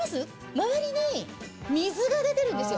周りに水が出てるんですよ。